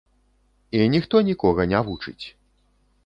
І ніхто нікога не вучыць.